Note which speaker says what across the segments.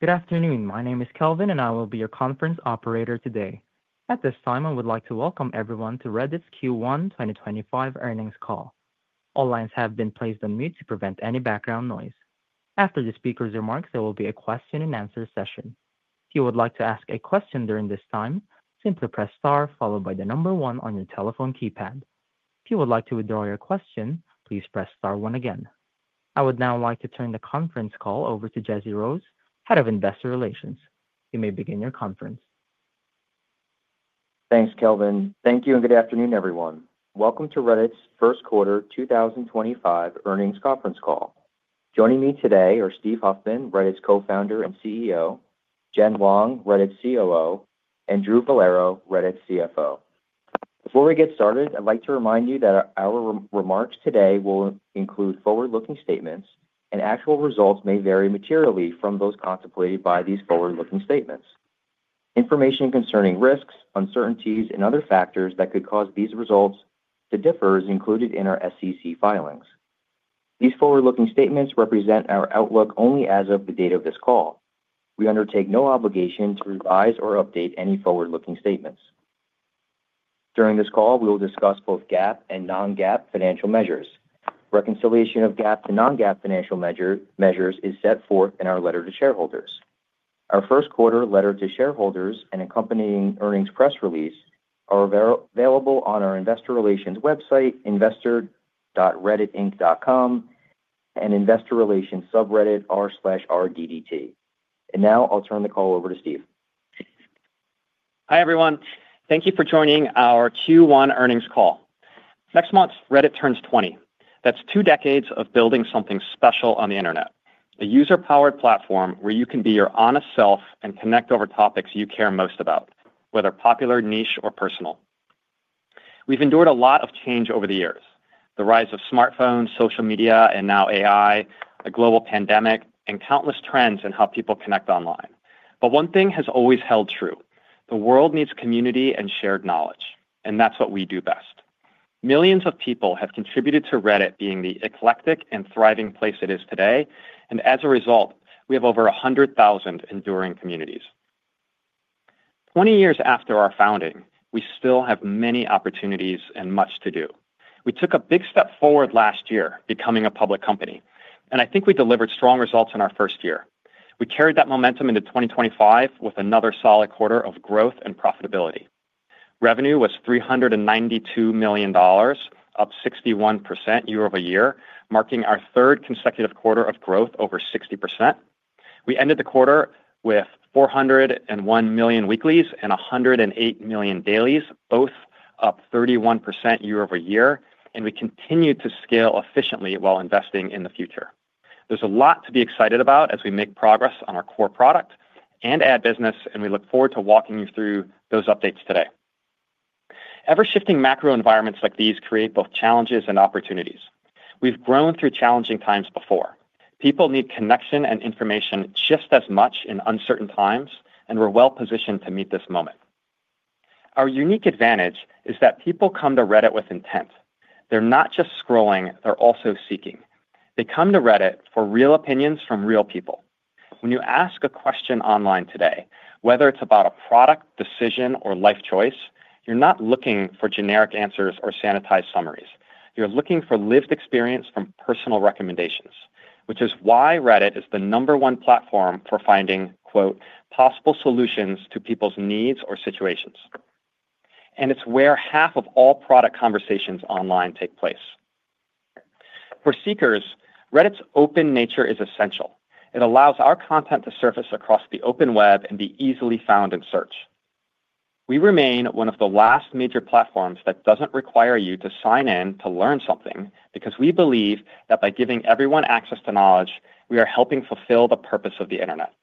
Speaker 1: Good afternoon. My name is Kelvin, and I will be your conference operator today. At this time, I would like to welcome everyone to Reddit's Q1 2025 earnings call. All lines have been placed on mute to prevent any background noise. After the speaker's remarks, there will be a question-and-answer session. If you would like to ask a question during this time, simply press star followed by the number one on your telephone keypad. If you would like to withdraw your question, please press star one again. I would now like to turn the conference call over to Jesse Rose, Head of Investor Relations. You may begin your conference.
Speaker 2: Thanks, Kelvin. Thank you and good afternoon, everyone. Welcome to Reddit's first quarter 2025 earnings conference call. Joining me today are Steve Huffman, Reddit's co-founder and CEO; Jen Wong, Reddit's COO; and Drew Vollero, Reddit's CFO. Before we get started, I'd like to remind you that our remarks today will include forward-looking statements, and actual results may vary materially from those contemplated by these forward-looking statements. Information concerning risks, uncertainties, and other factors that could cause these results to differ is included in our SEC filings. These forward-looking statements represent our outlook only as of the date of this call. We undertake no obligation to revise or update any forward-looking statements. During this call, we will discuss both GAAP and non-GAAP financial measures. Reconciliation of GAAP to non-GAAP financial measures is set forth in our letter to shareholders. Our first quarter letter to shareholders and accompanying earnings press release are available on our Investor Relations website, investor.redditinc.com, and Investor Relations subreddit r/RDDT. I will now turn the call over to Steve.
Speaker 3: Hi, everyone. Thank you for joining our Q1 earnings call. Next month, Reddit turns 20. That's two decades of building something special on the internet: a user-powered platform where you can be your honest self and connect over topics you care most about, whether popular, niche, or personal. We've endured a lot of change over the years: the rise of smartphones, social media, and now AI, a global pandemic, and countless trends in how people connect online. One thing has always held true: the world needs community and shared knowledge, and that's what we do best. Millions of people have contributed to Reddit being the eclectic and thriving place it is today, and as a result, we have over 100,000 enduring communities. Twenty years after our founding, we still have many opportunities and much to do. We took a big step forward last year becoming a public company, and I think we delivered strong results in our first year. We carried that momentum into 2025 with another solid quarter of growth and profitability. Revenue was $392 million, up 61% year over year, marking our third consecutive quarter of growth over 60%. We ended the quarter with 401 million weeklies and 108 million dailies, both up 31% year over year, and we continue to scale efficiently while investing in the future. There is a lot to be excited about as we make progress on our core product and ad business, and we look forward to walking you through those updates today. Ever-shifting macro environments like these create both challenges and opportunities. We have grown through challenging times before. People need connection and information just as much in uncertain times, and we are well-positioned to meet this moment. Our unique advantage is that people come to Reddit with intent. They're not just scrolling; they're also seeking. They come to Reddit for real opinions from real people. When you ask a question online today, whether it's about a product, decision, or life choice, you're not looking for generic answers or sanitized summaries. You're looking for lived experience from personal recommendations, which is why Reddit is the number one platform for finding, quote, "possible solutions to people's needs or situations." It is where half of all product conversations online take place. For seekers, Reddit's open nature is essential. It allows our content to surface across the open web and be easily found in search. We remain one of the last major platforms that doesn't require you to sign in to learn something because we believe that by giving everyone access to knowledge, we are helping fulfill the purpose of the internet.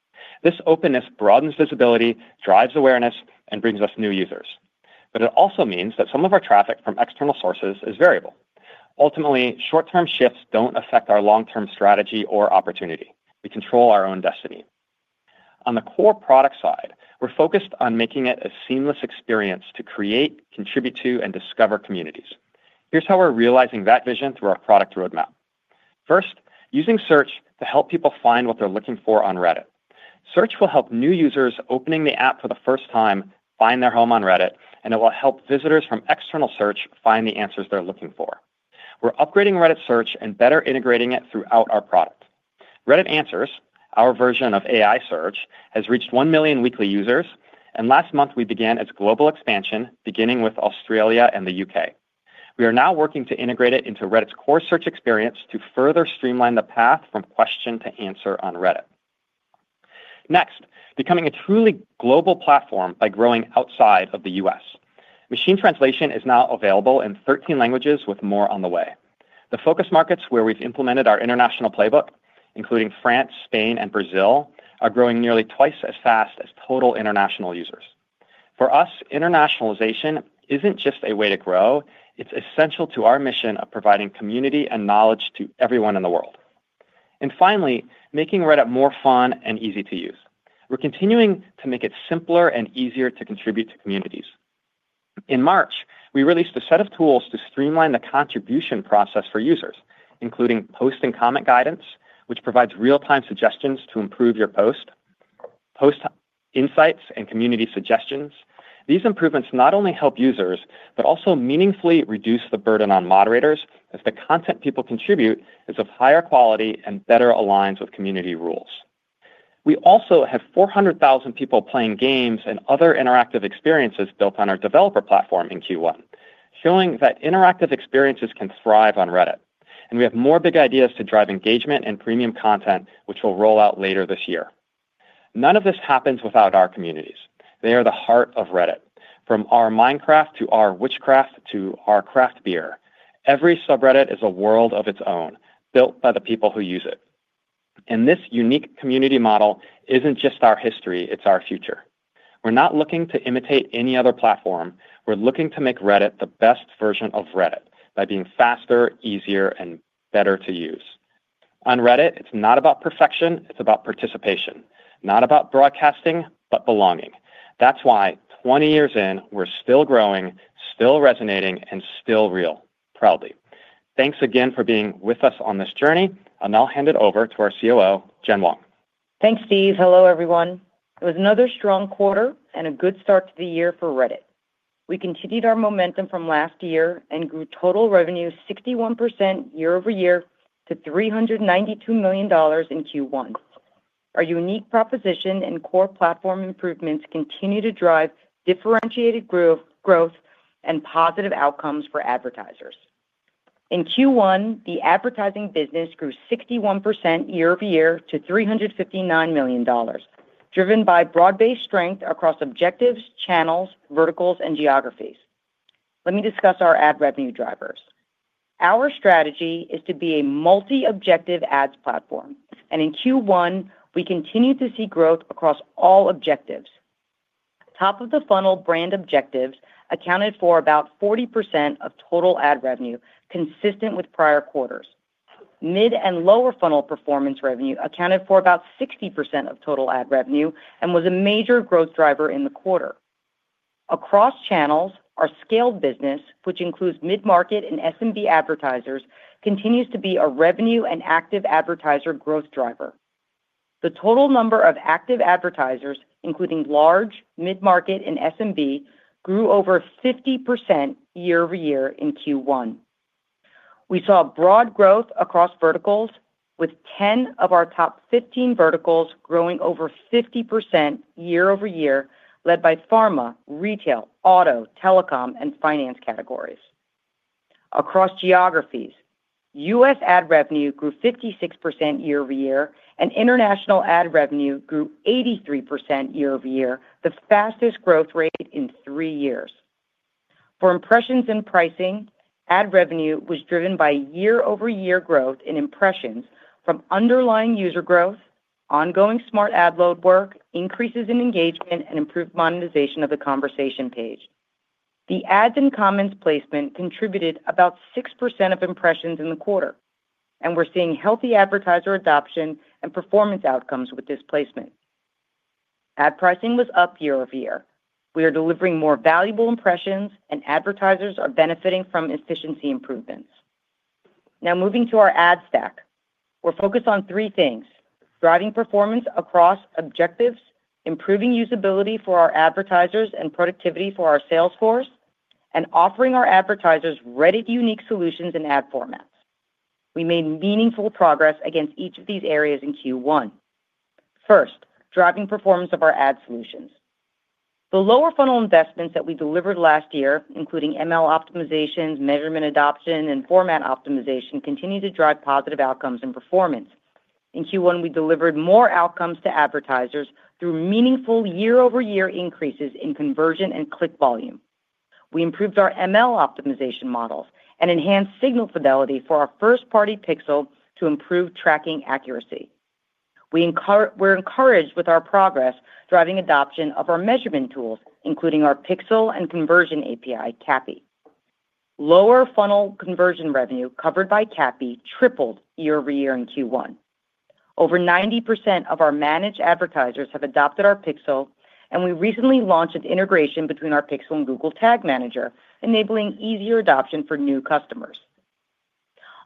Speaker 3: This openness broadens visibility, drives awareness, and brings us new users. It also means that some of our traffic from external sources is variable. Ultimately, short-term shifts don't affect our long-term strategy or opportunity. We control our own destiny. On the core product side, we're focused on making it a seamless experience to create, contribute to, and discover communities. Here's how we're realizing that vision through our product roadmap. First, using search to help people find what they're looking for on Reddit. Search will help new users opening the app for the first time find their home on Reddit, and it will help visitors from external search find the answers they're looking for. We're upgrading Reddit Search and better integrating it throughout our product. Reddit Answers, our version of AI Search, has reached 1 million weekly users, and last month we began its global expansion, beginning with Australia and the U.K. We are now working to integrate it into Reddit's core search experience to further streamline the path from question to answer on Reddit. Next, becoming a truly global platform by growing outside of the U.S. Machine translation is now available in 13 languages, with more on the way. The focus markets where we've implemented our international playbook, including France, Spain, and Brazil, are growing nearly twice as fast as total international users. For us, internationalization is not just a way to grow; it is essential to our mission of providing community and knowledge to everyone in the world. Finally, making Reddit more fun and easy to use. We are continuing to make it simpler and easier to contribute to communities. In March, we released a set of tools to streamline the contribution process for users, including post and comment guidance, which provides real-time suggestions to improve your post, post insights, and community suggestions. These improvements not only help users but also meaningfully reduce the burden on moderators if the content people contribute is of higher quality and better aligns with community rules. We also have 400,000 people playing games and other interactive experiences built on our developer platform in Q1, showing that interactive experiences can thrive on Reddit. We have more big ideas to drive engagement and premium content, which we'll roll out later this year. None of this happens without our communities. They are the heart of Reddit. From our Minecraft to our Witchcraft to our Craft Beer, every subreddit is a world of its own, built by the people who use it. This unique community model isn't just our history; it's our future. We're not looking to imitate any other platform. We're looking to make Reddit the best version of Reddit by being faster, easier, and better to use. On Reddit, it's not about perfection; it's about participation. Not about broadcasting, but belonging. That's why, 20 years in, we're still growing, still resonating, and still real, proudly. Thanks again for being with us on this journey, and I'll hand it over to our COO, Jen Wong.
Speaker 4: Thanks, Steve. Hello, everyone. It was another strong quarter and a good start to the year for Reddit. We continued our momentum from last year and grew total revenue 61% year over year to $392 million in Q1. Our unique proposition and core platform improvements continue to drive differentiated growth and positive outcomes for advertisers. In Q1, the advertising business grew 61% year over year to $359 million, driven by broad-based strength across objectives, channels, verticals, and geographies. Let me discuss our ad revenue drivers. Our strategy is to be a multi-objective ads platform, and in Q1, we continued to see growth across all objectives. Top-of-the-funnel brand objectives accounted for about 40% of total ad revenue, consistent with prior quarters. Mid and lower-funnel performance revenue accounted for about 60% of total ad revenue and was a major growth driver in the quarter. Across channels, our scaled business, which includes mid-market and SMB advertisers, continues to be a revenue and active advertiser growth driver. The total number of active advertisers, including large, mid-market, and SMB, grew over 50% year over year in Q1. We saw broad growth across verticals, with 10 of our top 15 verticals growing over 50% year over year, led by pharma, retail, auto, telecom, and finance categories. Across geographies, U.S. ad revenue grew 56% year over year, and international ad revenue grew 83% year over year, the fastest growth rate in three years. For impressions and pricing, ad revenue was driven by year-over-year growth in impressions from underlying user growth, ongoing smart ad load work, increases in engagement, and improved monetization of the conversation page. The ads and comments placement contributed about 6% of impressions in the quarter, and we're seeing healthy advertiser adoption and performance outcomes with this placement. Ad pricing was up year over year. We are delivering more valuable impressions, and advertisers are benefiting from efficiency improvements. Now, moving to our ad stack, we're focused on three things: driving performance across objectives, improving usability for our advertisers and productivity for our sales force, and offering our advertisers Reddit-unique solutions and ad formats. We made meaningful progress against each of these areas in Q1. First, driving performance of our ad solutions. The lower-funnel investments that we delivered last year, including ML optimizations, measurement adoption, and format optimization, continue to drive positive outcomes and performance. In Q1, we delivered more outcomes to advertisers through meaningful year-over-year increases in conversion and click volume. We improved our ML optimization models and enhanced signal fidelity for our first-party pixel to improve tracking accuracy. We're encouraged with our progress, driving adoption of our measurement tools, including our pixel and Conversion API, CAPI. Lower-funnel conversion revenue covered by CAPI tripled year over year in Q1. Over 90% of our managed advertisers have adopted our pixel, and we recently launched an integration between our pixel and Google Tag Manager, enabling easier adoption for new customers.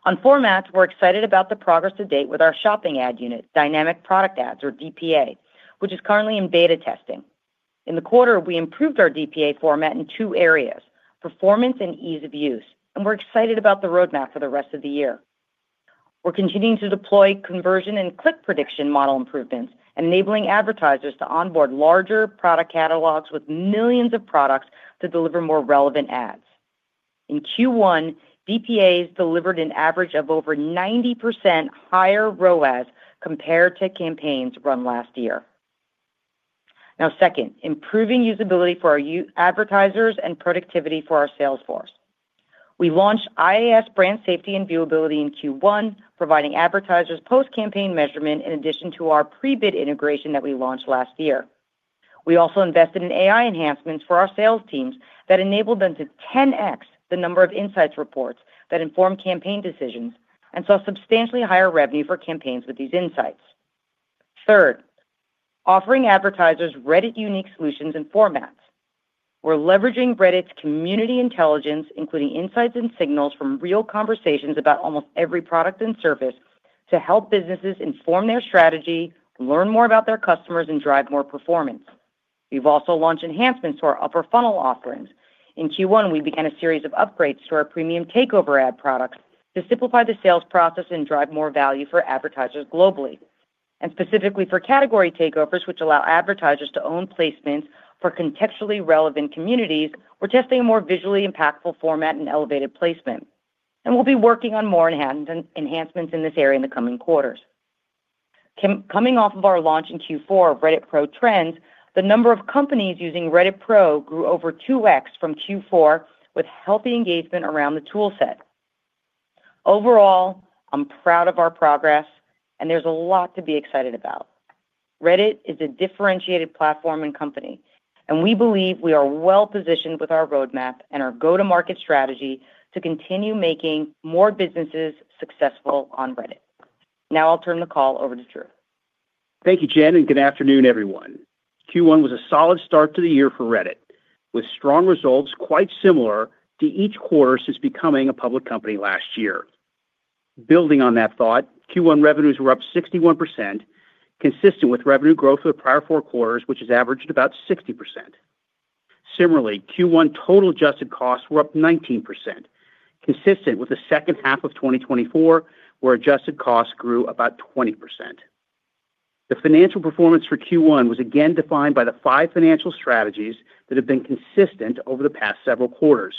Speaker 4: On formats, we're excited about the progress to date with our shopping ad unit, Dynamic Product Ads, or DPA, which is currently in beta testing. In the quarter, we improved our DPA format in two areas: performance and ease of use, and we're excited about the roadmap for the rest of the year. We're continuing to deploy conversion and click prediction model improvements, enabling advertisers to onboard larger product catalogs with millions of products to deliver more relevant ads. In Q1, DPAs delivered an average of over 90% higher ROAS compared to campaigns run last year. Now, second, improving usability for our advertisers and productivity for our sales force. We launched IAS brand safety and viewability in Q1, providing advertisers post-campaign measurement in addition to our pre-bid integration that we launched last year. We also invested in AI enhancements for our sales teams that enabled them to 10x the number of insights reports that inform campaign decisions and saw substantially higher revenue for campaigns with these insights. Third, offering advertisers Reddit-unique solutions and formats. We're leveraging Reddit's community intelligence, including insights and signals from real conversations about almost every product and service to help businesses inform their strategy, learn more about their customers, and drive more performance. We have also launched enhancements to our upper-funnel offerings. In Q1, we began a series of upgrades to our premium takeover ad products to simplify the sales process and drive more value for advertisers globally. Specifically for category takeovers, which allow advertisers to own placements for contextually relevant communities, we're testing a more visually impactful format and elevated placement. We will be working on more enhancements in this area in the coming quarters. Coming off of our launch in Q4 of Reddit Pro Trends, the number of companies using Reddit Pro grew over 2x from Q4 with healthy engagement around the toolset. Overall, I'm proud of our progress, and there's a lot to be excited about. Reddit is a differentiated platform and company, and we believe we are well-positioned with our roadmap and our go-to-market strategy to continue making more businesses successful on Reddit. Now I'll turn the call over to Drew.
Speaker 5: Thank you, Jen, and good afternoon, everyone. Q1 was a solid start to the year for Reddit, with strong results quite similar to each quarter since becoming a public company last year. Building on that thought, Q1 revenues were up 61%, consistent with revenue growth of the prior four quarters, which has averaged about 60%. Similarly, Q1 total adjusted costs were up 19%, consistent with the second half of 2024, where adjusted costs grew about 20%. The financial performance for Q1 was again defined by the five financial strategies that have been consistent over the past several quarters,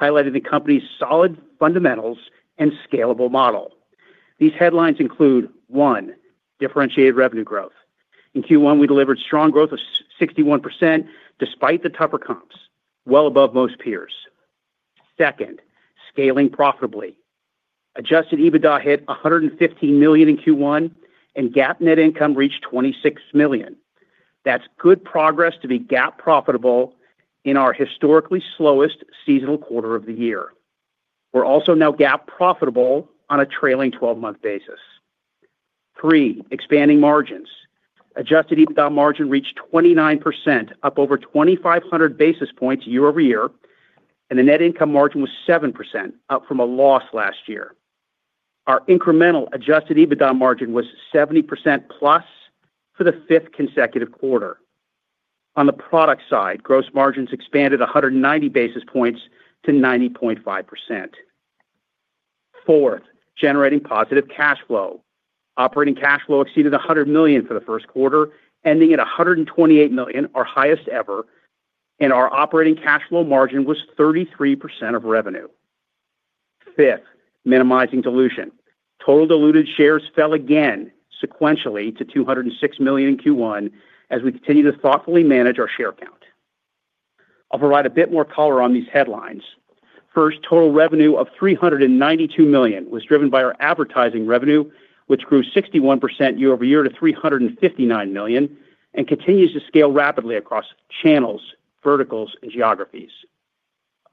Speaker 5: highlighting the company's solid fundamentals and scalable model. These headlines include: one, differentiated revenue growth. In Q1, we delivered strong growth of 61% despite the tougher comps, well above most peers. Second, scaling profitably. Adjusted EBITDA hit $115 million in Q1, and GAAP net income reached $26 million. That's good progress to be GAAP profitable in our historically slowest seasonal quarter of the year. We're also now GAAP profitable on a trailing 12-month basis. Three, expanding margins. Adjusted EBITDA margin reached 29%, up over 2,500 basis points year over year, and the net income margin was 7%, up from a loss last year. Our incremental adjusted EBITDA margin was 70% plus for the fifth consecutive quarter. On the product side, gross margins expanded 190 basis points to 90.5%. Fourth, generating positive cash flow. Operating cash flow exceeded $100 million for the first quarter, ending at $128 million, our highest ever, and our operating cash flow margin was 33% of revenue. Fifth, minimizing dilution. Total diluted shares fell again, sequentially, to 206 million in Q1 as we continue to thoughtfully manage our share count. I'll provide a bit more color on these headlines. First, total revenue of $392 million was driven by our advertising revenue, which grew 61% year over year to $359 million and continues to scale rapidly across channels, verticals, and geographies.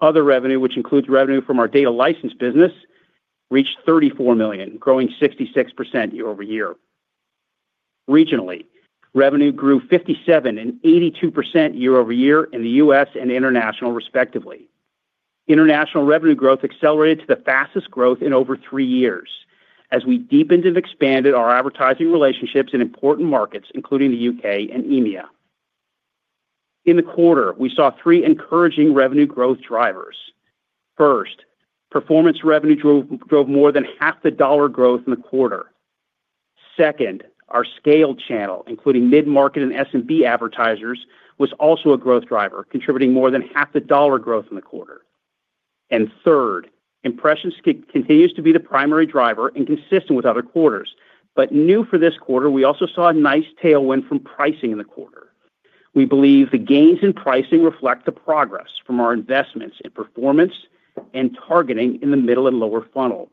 Speaker 5: Other revenue, which includes revenue from our data license business, reached $34 million, growing 66% year over year. Regionally, revenue grew 57% and 82% year over year in the U.S. and international, respectively. International revenue growth accelerated to the fastest growth in over three years as we deepened and expanded our advertising relationships in important markets, including the U.K. and EMEA. In the quarter, we saw three encouraging revenue growth drivers. First, performance revenue drove more than half the dollar growth in the quarter. Second, our scale channel, including mid-market and SMB advertisers, was also a growth driver, contributing more than half the dollar growth in the quarter. Third, impressions continues to be the primary driver and consistent with other quarters. New for this quarter, we also saw a nice tailwind from pricing in the quarter. We believe the gains in pricing reflect the progress from our investments in performance and targeting in the middle and lower funnel.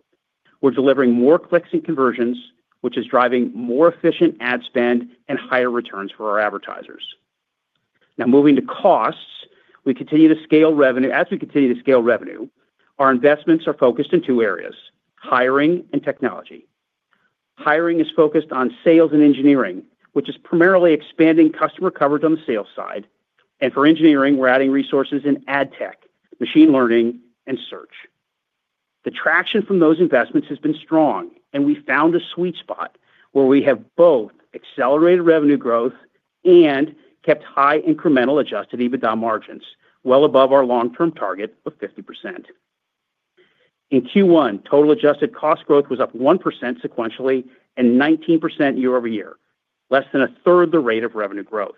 Speaker 5: We're delivering more clicks and conversions, which is driving more efficient ad spend and higher returns for our advertisers. Now, moving to costs, we continue to scale revenue as we continue to scale revenue. Our investments are focused in two areas: hiring and technology. Hiring is focused on sales and engineering, which is primarily expanding customer coverage on the sales side. For engineering, we're adding resources in ad tech, machine learning, and search. The traction from those investments has been strong, and we found a sweet spot where we have both accelerated revenue growth and kept high incremental adjusted EBITDA margins, well above our long-term target of 50%. In Q1, total adjusted cost growth was up 1% sequentially and 19% year over year, less than a third of the rate of revenue growth.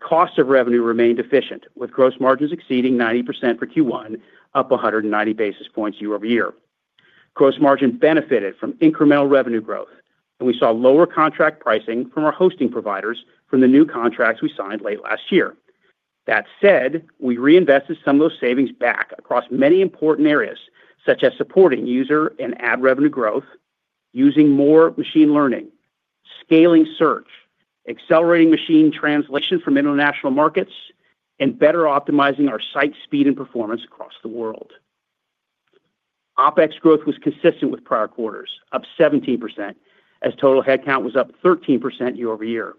Speaker 5: Cost of revenue remained efficient, with gross margins exceeding 90% for Q1, up 190 basis points year over year. Gross margin benefited from incremental revenue growth, and we saw lower contract pricing from our hosting providers from the new contracts we signed late last year. That said, we reinvested some of those savings back across many important areas, such as supporting user and ad revenue growth, using more machine learning, scaling search, accelerating machine translation from international markets, and better optimizing our site speed and performance across the world. OpEx growth was consistent with prior quarters, up 17%, as total headcount was up 13% year over year.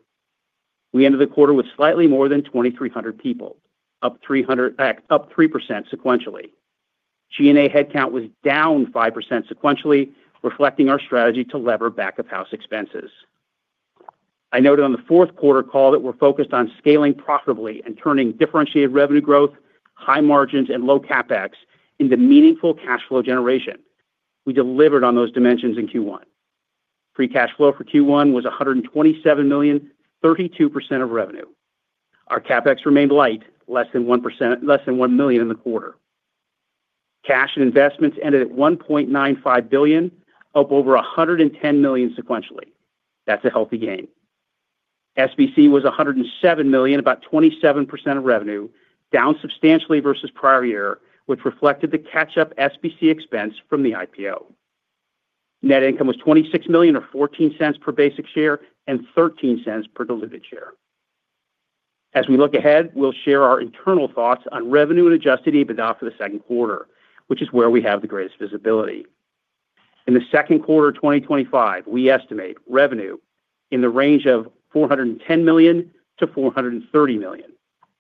Speaker 5: We ended the quarter with slightly more than 2,300 people, up 3% sequentially. G&A headcount was down 5% sequentially, reflecting our strategy to lever back-of-house expenses. I noted on the fourth quarter call that we're focused on scaling profitably and turning differentiated revenue growth, high margins, and low CapEx into meaningful cash flow generation. We delivered on those dimensions in Q1. Free cash flow for Q1 was $127 million, 32% of revenue. Our CapEx remained light, less than $1 million in the quarter. Cash and investments ended at $1.95 billion, up over $110 million sequentially. That's a healthy gain. SBC was $107 million, about 27% of revenue, down substantially versus prior year, which reflected the catch-up SBC expense from the IPO. Net income was $26 million or $0.14 per basic share and $0.13 per diluted share. As we look ahead, we'll share our internal thoughts on revenue and adjusted EBITDA for the second quarter, which is where we have the greatest visibility. In the second quarter of 2025, we estimate revenue in the range of $410 million-$430 million,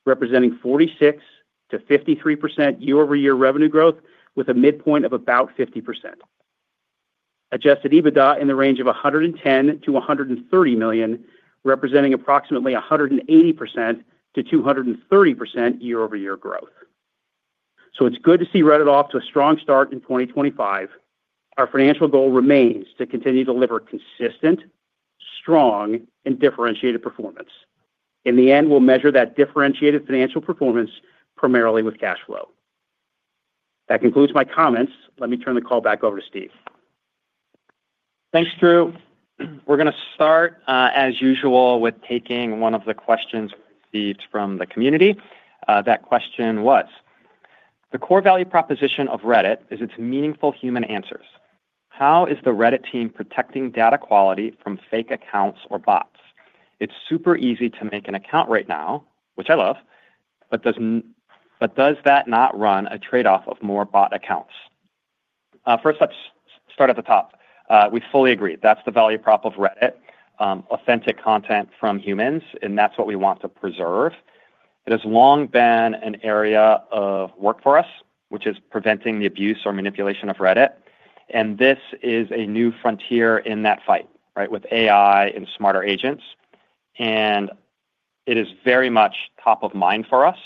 Speaker 5: representing 46%-53% year-over-year revenue growth, with a midpoint of about 50%. Adjusted EBITDA in the range of $110 million-$130 million, representing approximately 180%-230% year-over-year growth. It is good to see Reddit off to a strong start in 2025. Our financial goal remains to continue to deliver consistent, strong, and differentiated performance. In the end, we'll measure that differentiated financial performance primarily with cash flow. That concludes my comments. Let me turn the call back over to Steve.
Speaker 3: Thanks, Drew. We're going to start, as usual, with taking one of the questions we received from the community. That question was, "The core value proposition of Reddit is its meaningful human answers. How is the Reddit team protecting data quality from fake accounts or bots? It's super easy to make an account right now, which I love, but does that not run a trade-off of more bot accounts?" First, let's start at the top. We fully agree. That's the value prop of Reddit: authentic content from humans, and that's what we want to preserve. It has long been an area of work for us, which is preventing the abuse or manipulation of Reddit. This is a new frontier in that fight, right, with AI and smarter agents. It is very much top of mind for us.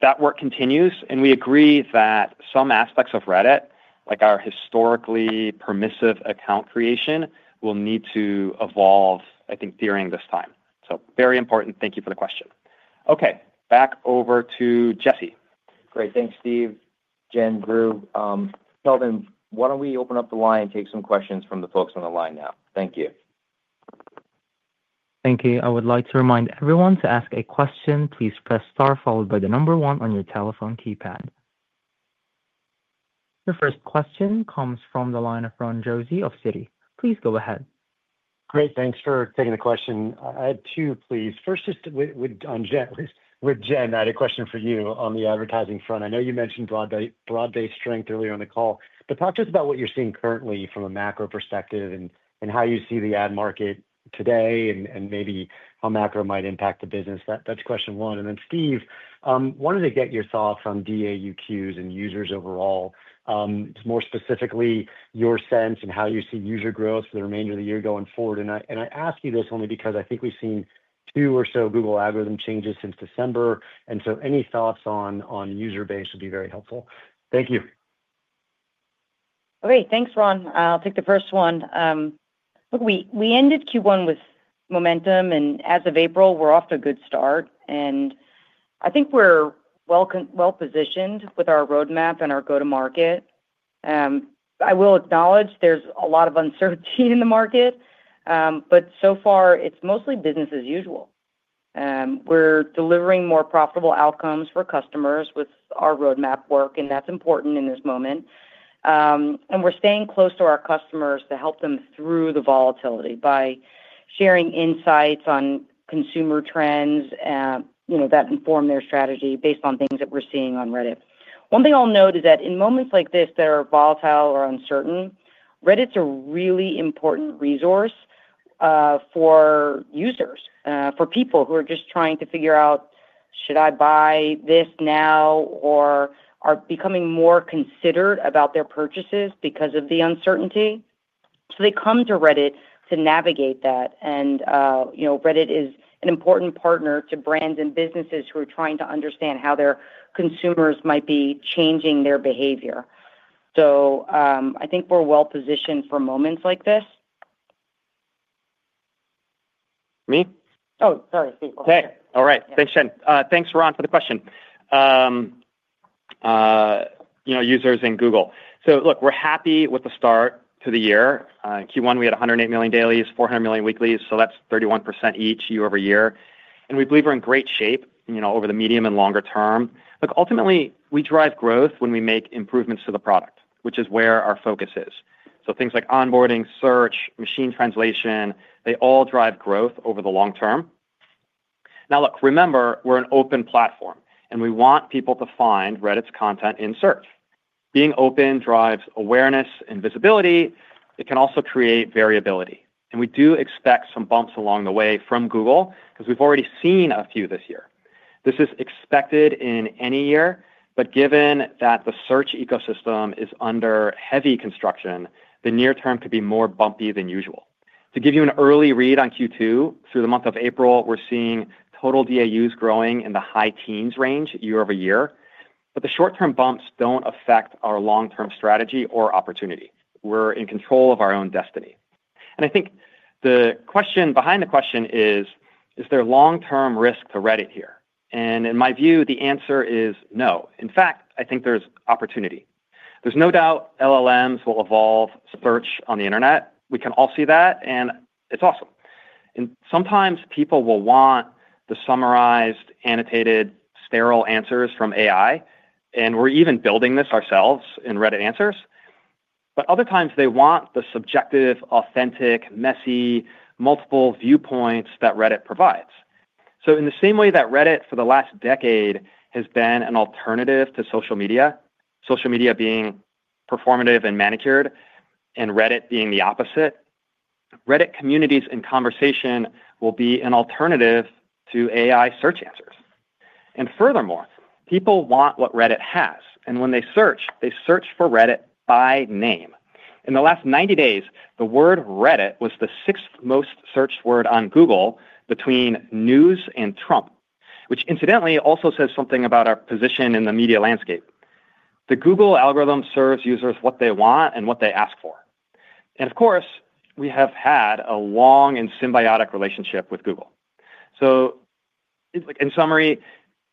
Speaker 3: That work continues, and we agree that some aspects of Reddit, like our historically permissive account creation, will need to evolve, I think, during this time. Very important. Thank you for the question. Okay, back over to Jesse.
Speaker 2: Great. Thanks, Steve, Jen, Drew. Kelvin, why don't we open up the line and take some questions from the folks on the line now? Thank you.
Speaker 1: Thank you. I would like to remind everyone to ask a question. Please press star followed by the number one on your telephone keypad. The first question comes from the line of Ron Josey of Citi. Please go ahead.
Speaker 6: Great. Thanks for taking the question. I had two, please. First, just with Jen, I had a question for you on the advertising front. I know you mentioned broad-based strength earlier on the call, but talk to us about what you're seeing currently from a macro perspective and how you see the ad market today and maybe how macro might impact the business. That's question one. Steve, I wanted to get your thoughts on DAUq's and users overall, more specifically your sense and how you see user growth for the remainder of the year going forward. I ask you this only because I think we've seen two or so Google algorithm changes since December. Any thoughts on user base would be very helpful. Thank you.
Speaker 4: All right. Thanks, Ron. I'll take the first one. We ended Q1 with momentum, and as of April, we're off to a good start. I think we're well-positioned with our roadmap and our go-to-market. I will acknowledge there's a lot of uncertainty in the market, but so far, it's mostly business as usual. We're delivering more profitable outcomes for customers with our roadmap work, and that's important in this moment. We're staying close to our customers to help them through the volatility by sharing insights on consumer trends that inform their strategy based on things that we're seeing on Reddit. One thing I'll note is that in moments like this that are volatile or uncertain, Reddit's a really important resource for users, for people who are just trying to figure out, "Should I buy this now?" or are becoming more considerate about their purchases because of the uncertainty. They come to Reddit to navigate that. Reddit is an important partner to brands and businesses who are trying to understand how their consumers might be changing their behavior. I think we're well-positioned for moments like this.
Speaker 3: Me?
Speaker 4: Oh, sorry.
Speaker 3: Okay. All right. Thanks, Jen. Thanks, Ron, for the question. Users and Google. Look, we're happy with the start to the year. Q1, we had 108 million dailies, 400 million weeklies, so that's 31% each year over year. We believe we're in great shape over the medium and longer term. Ultimately, we drive growth when we make improvements to the product, which is where our focus is. Things like onboarding, search, machine translation, they all drive growth over the long term. Now, remember, we're an open platform, and we want people to find Reddit's content in search. Being open drives awareness and visibility. It can also create variability. We do expect some bumps along the way from Google because we've already seen a few this year. This is expected in any year, but given that the search ecosystem is under heavy construction, the near term could be more bumpy than usual. To give you an early read on Q2, through the month of April, we're seeing total DAUs growing in the high teens range year over year. The short-term bumps do not affect our long-term strategy or opportunity. We're in control of our own destiny. I think the question behind the question is, "Is there long-term risk to Reddit here?" In my view, the answer is no. In fact, I think there's opportunity. There's no doubt LLMs will evolve search on the internet. We can all see that, and it's awesome. Sometimes people will want the summarized, annotated, sterile answers from AI, and we're even building this ourselves in Reddit Answers. Other times, they want the subjective, authentic, messy, multiple viewpoints that Reddit provides. In the same way that Reddit for the last decade has been an alternative to social media, social media being performative and manicured and Reddit being the opposite, Reddit communities and conversation will be an alternative to AI search answers. Furthermore, people want what Reddit has. When they search, they search for Reddit by name. In the last 90 days, the word Reddit was the sixth most searched word on Google between news and Trump, which incidentally also says something about our position in the media landscape. The Google algorithm serves users what they want and what they ask for. Of course, we have had a long and symbiotic relationship with Google. In summary,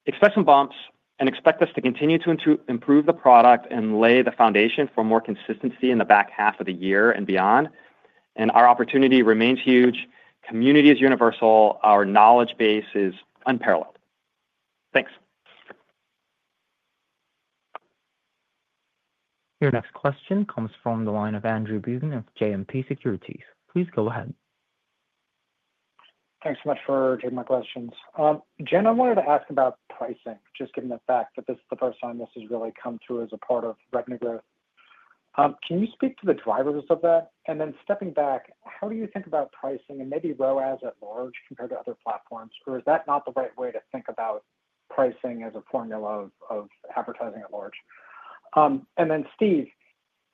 Speaker 3: expect some bumps and expect us to continue to improve the product and lay the foundation for more consistency in the back half of the year and beyond. Our opportunity remains huge. Community is universal. Our knowledge base is unparalleled. Thanks.
Speaker 1: Your next question comes from the line of Andrew Boone of JMP Securities. Please go ahead.
Speaker 7: Thanks so much for taking my questions. Jen, I wanted to ask about pricing, just given the fact that this is the first time this has really come through as a part of Reddit growth. Can you speak to the drivers of that? Stepping back, how do you think about pricing and maybe ROAS at large compared to other platforms? Or is that not the right way to think about pricing as a formula of advertising at large? Steve,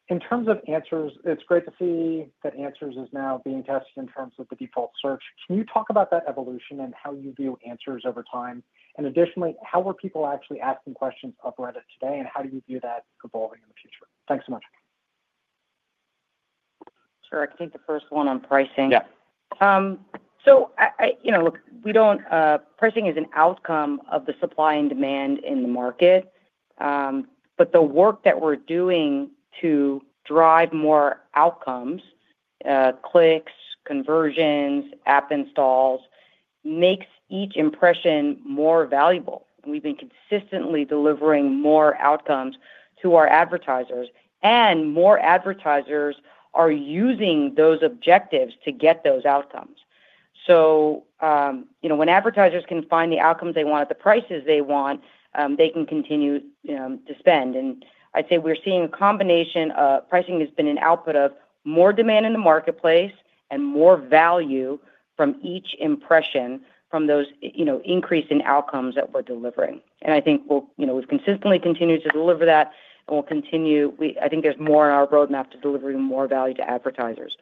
Speaker 7: in terms of Answers, it's great to see that Answers is now being tested in terms of the default search. Can you talk about that evolution and how you view Answers over time? Additionally, how are people actually asking questions of Reddit today, and how do you view that evolving in the future? Thanks so much.
Speaker 4: Sure. I think the first one on pricing. Pricing is an outcome of the supply and demand in the market. The work that we're doing to drive more outcomes, clicks, conversions, app installs, makes each impression more valuable. We've been consistently delivering more outcomes to our advertisers, and more advertisers are using those objectives to get those outcomes. When advertisers can find the outcomes they want at the prices they want, they can continue to spend. I'd say we're seeing a combination of pricing has been an output of more demand in the marketplace and more value from each impression from those increasing outcomes that we're delivering. I think we've consistently continued to deliver that, and we'll continue. I think there's more in our roadmap to delivering more value to advertisers.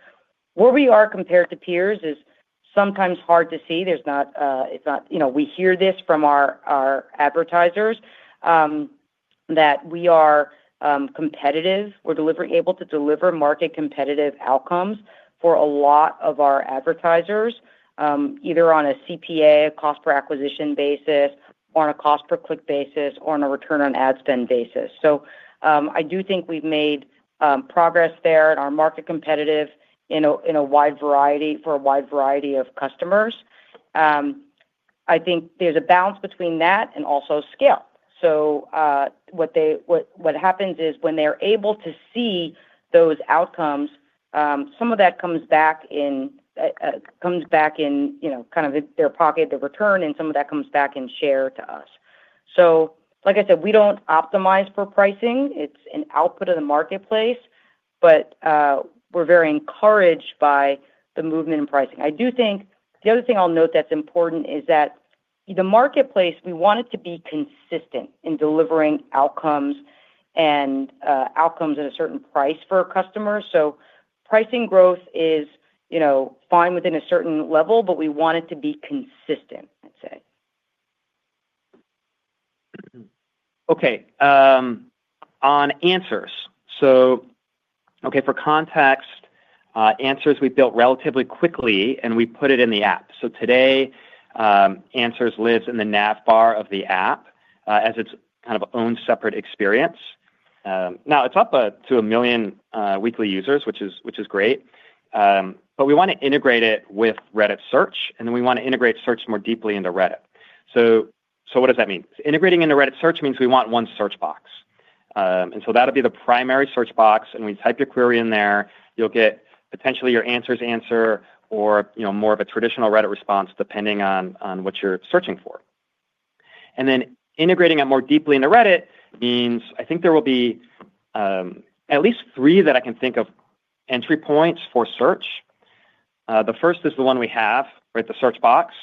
Speaker 4: Where we are compared to peers is sometimes hard to see. We hear this from our advertisers that we are competitive. We're able to deliver market-competitive outcomes for a lot of our advertisers, either on a CPA, a cost per acquisition basis, on a cost per click basis, or on a return on ad spend basis. I do think we've made progress there at our market competitive in a wide variety for a wide variety of customers. I think there's a balance between that and also scale. What happens is when they're able to see those outcomes, some of that comes back in kind of their pocket, their return, and some of that comes back in share to us. Like I said, we don't optimize for pricing. It's an output of the marketplace, but we're very encouraged by the movement in pricing. I do think the other thing I'll note that's important is that the marketplace, we want it to be consistent in delivering outcomes and outcomes at a certain price for our customers. Pricing growth is fine within a certain level, but we want it to be consistent, I'd say.
Speaker 3: Okay. On answers. Okay, for context, answers we built relatively quickly, and we put it in the app. Today, answers lives in the nav bar of the app as its kind of own separate experience. Now, it's up to a million weekly users, which is great. We want to integrate it with Reddit search, and then we want to integrate search more deeply into Reddit. What does that mean? Integrating into Reddit search means we want one search box. That'll be the primary search box. When you type your query in there, you'll get potentially your answers answer or more of a traditional Reddit response depending on what you're searching for. Integrating it more deeply into Reddit means I think there will be at least three that I can think of entry points for search. The first is the one we have, right, the search box.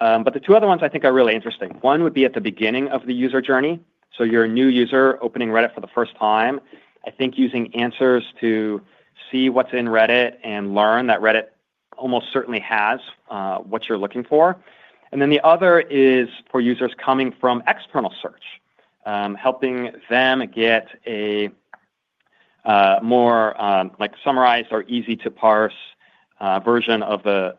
Speaker 3: The two other ones I think are really interesting. One would be at the beginning of the user journey. You are a new user opening Reddit for the first time, I think using answers to see what is in Reddit and learn that Reddit almost certainly has what you are looking for. The other is for users coming from external search, helping them get a more summarized or easy-to-parse version of the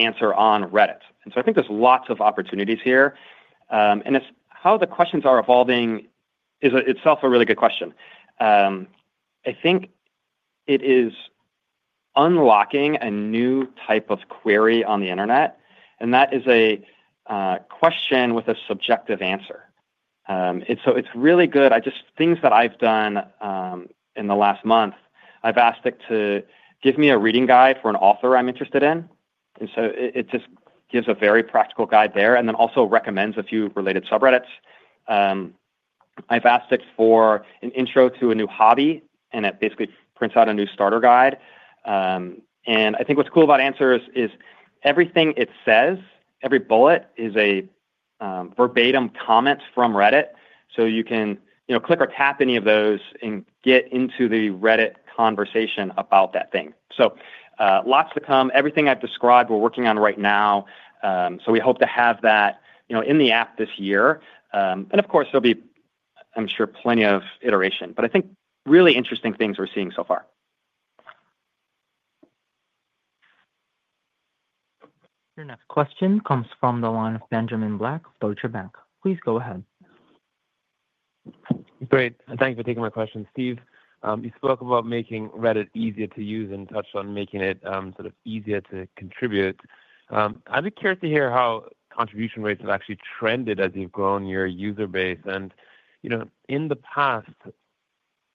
Speaker 3: answer on Reddit. I think there are lots of opportunities here. How the questions are evolving is itself a really good question. I think it is unlocking a new type of query on the internet, and that is a question with a subjective answer. It is really good. Just things that I've done in the last month, I've asked it to give me a reading guide for an author I'm interested in. It just gives a very practical guide there and then also recommends a few related subreddits. I've asked it for an intro to a new hobby, and it basically prints out a new starter guide. I think what's cool about Answers is everything it says, every bullet is a verbatim comment from Reddit. You can click or tap any of those and get into the Reddit conversation about that thing. Lots to come. Everything I've described we're working on right now. We hope to have that in the app this year. Of course, there'll be, I'm sure, plenty of iteration. I think really interesting things we're seeing so far.
Speaker 1: Your next question comes from the line of Benjamin Black of Deutsche Bank. Please go ahead.
Speaker 8: Great. Thank you for taking my question, Steve. You spoke about making Reddit easier to use and touched on making it sort of easier to contribute. I'd be curious to hear how contribution rates have actually trended as you've grown your user base. In the past,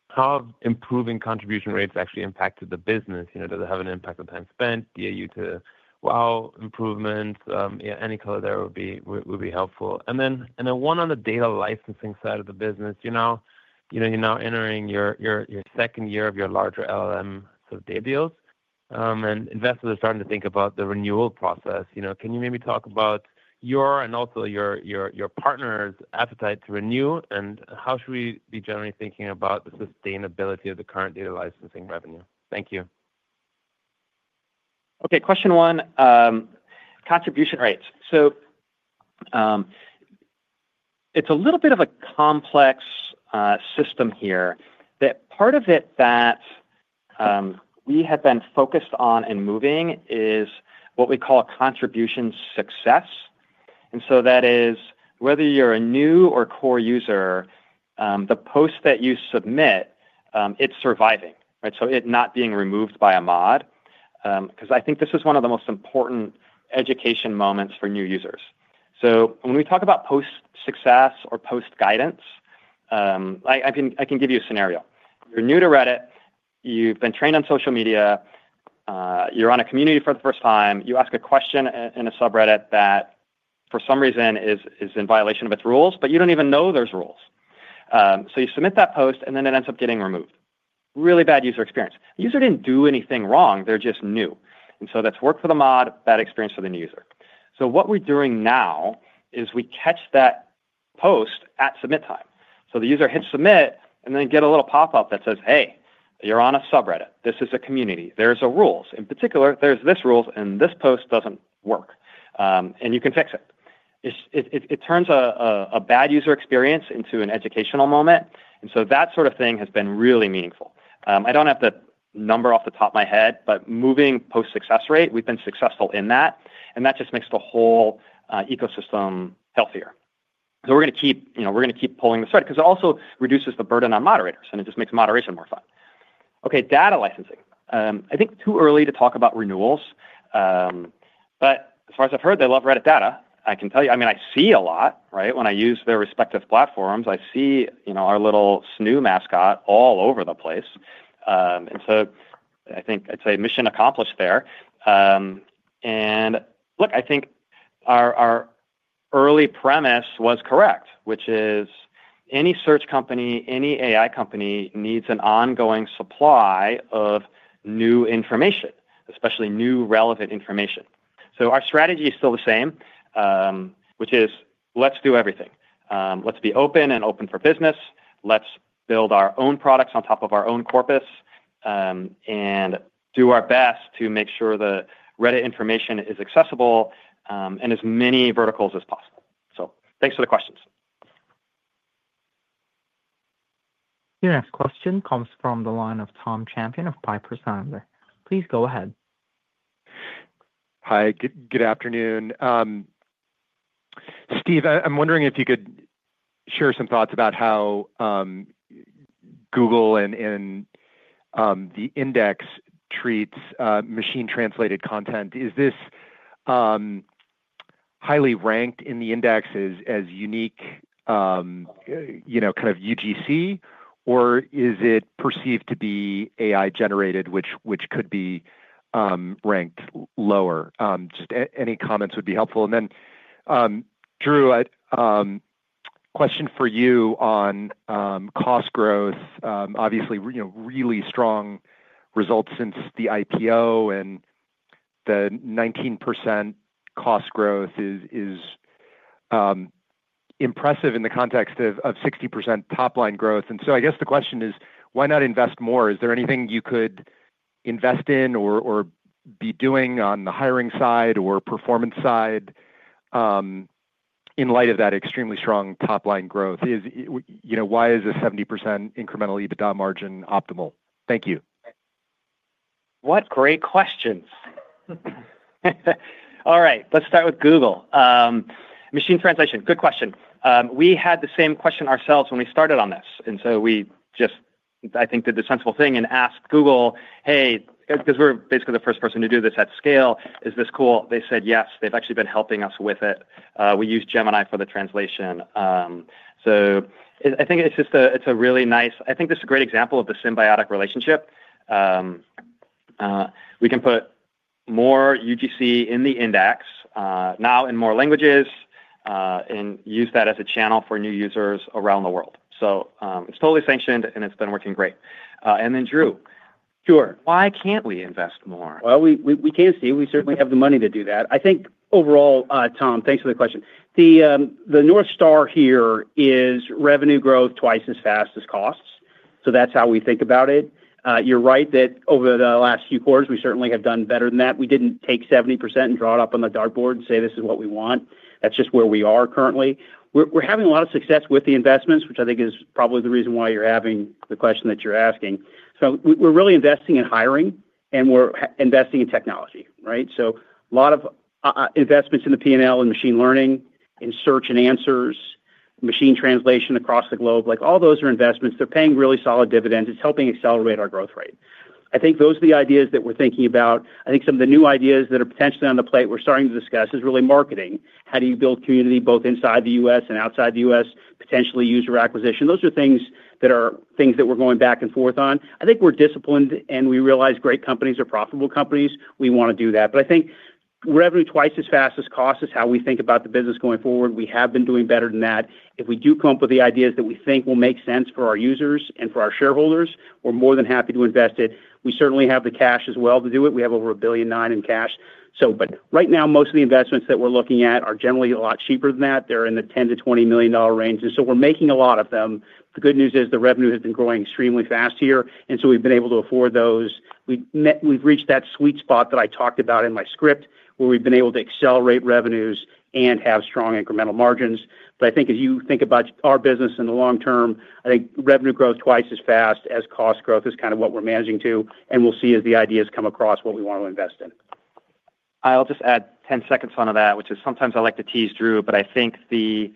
Speaker 8: how have improving contribution rates actually impacted the business? Does it have an impact on time spent, DAU to WAU improvements? Any color there would be helpful. One on the data licensing side of the business. You're now entering your second year of your larger LLM sort of data deals, and investors are starting to think about the renewal process. Can you maybe talk about your and also your partner's appetite to renew, and how should we be generally thinking about the sustainability of the current data licensing revenue? Thank you.
Speaker 3: Okay. Question one, contribution rates. It is a little bit of a complex system here. Part of it that we have been focused on and moving is what we call contribution success. That is whether you are a new or core user, the post that you submit, it is surviving, right? It is not being removed by a mod. I think this is one of the most important education moments for new users. When we talk about post-success or post-guidance, I can give you a scenario. You are new to Reddit. You have been trained on social media. You are on a community for the first time. You ask a question in a subreddit that for some reason is in violation of its rules, but you do not even know there are rules. You submit that post, and it ends up getting removed. Really bad user experience. The user did not do anything wrong. They are just new. That is work for the mod, bad experience for the new user. What we are doing now is we catch that post at submit time. The user hits submit, and then gets a little pop-up that says, "Hey, you are on a subreddit. This is a community. There are rules. In particular, there is this rule, and this post does not work, and you can fix it." It turns a bad user experience into an educational moment. That sort of thing has been really meaningful. I do not have the number off the top of my head, but moving post-success rate, we have been successful in that. That just makes the whole ecosystem healthier. We are going to keep pulling this right because it also reduces the burden on moderators, and it just makes moderation more fun. Okay. Data licensing. I think too early to talk about renewals. As far as I've heard, they love Reddit data. I can tell you. I mean, I see a lot, right? When I use their respective platforms, I see our little Snoo mascot all over the place. I think I'd say mission accomplished there. I think our early premise was correct, which is any search company, any AI company needs an ongoing supply of new information, especially new relevant information. Our strategy is still the same, which is let's do everything. Let's be open and open for business. Let's build our own products on top of our own corpus and do our best to make sure the Reddit information is accessible in as many verticals as possible. Thanks for the questions.
Speaker 1: Your next question comes from the line of Tom Champion of Piper Sandler. Please go ahead.
Speaker 9: Hi. Good afternoon. Steve, I'm wondering if you could share some thoughts about how Google and the index treats machine-translated content. Is this highly ranked in the index as unique kind of UGC? or is it perceived to be AI-generated, which could be ranked lower? Just any comments would be helpful. Drew, question for you on cost growth. Obviously, really strong results since the IPO, and the 19% cost growth is impressive in the context of 60% top-line growth. I guess the question is, why not invest more? Is there anything you could invest in or be doing on the hiring side or performance side in light of that extremely strong top-line growth? Why is a 70% incremental EBITDA margin optimal? Thank you.
Speaker 3: What great questions. All right. Let's start with Google. Machine translation. Good question. We had the same question ourselves when we started on this. I think we just did the sensible thing and asked Google, "Hey," because we're basically the first person to do this at scale. "Is this cool?" They said, "Yes." They've actually been helping us with it. We use Gemini for the translation. I think this is a great example of the symbiotic relationship. We can put more UGC in the index now in more languages and use that as a channel for new users around the world. It's totally sanctioned, and it's been working great. Then, Drew. Sure. Why can't we invest more?
Speaker 5: We can see. We certainly have the money to do that. I think overall, Tom, thanks for the question. The North Star here is revenue growth twice as fast as costs. That's how we think about it. You're right that over the last few quarters, we certainly have done better than that. We didn't take 70% and draw it up on the dartboard and say, "This is what we want." That's just where we are currently. We're having a lot of success with the investments, which I think is probably the reason why you're having the question that you're asking. We're really investing in hiring, and we're investing in technology, right? A lot of investments in the P&L and machine learning and search and answers, machine translation across the globe, all those are investments. They're paying really solid dividends. It's helping accelerate our growth rate. I think those are the ideas that we're thinking about. I think some of the new ideas that are potentially on the plate we're starting to discuss is really marketing. How do you build community both inside the U.S. and outside the U.S., potentially user acquisition? Those are things that we're going back and forth on. I think we're disciplined, and we realize great companies are profitable companies. We want to do that. I think revenue twice as fast as cost is how we think about the business going forward. We have been doing better than that. If we do come up with the ideas that we think will make sense for our users and for our shareholders, we're more than happy to invest it. We certainly have the cash as well to do it. We have over $1.9 billion in cash. Right now, most of the investments that we're looking at are generally a lot cheaper than that. They're in the $10-$20 million range. We're making a lot of them. The good news is the revenue has been growing extremely fast here. We've been able to afford those. We've reached that sweet spot that I talked about in my script where we've been able to accelerate revenues and have strong incremental margins. I think as you think about our business in the long term, I think revenue growth twice as fast as cost growth is kind of what we're managing to and will see as the ideas come across what we want to invest in.
Speaker 3: I'll just add 10 seconds onto that, which is sometimes I like to tease Drew, but I think the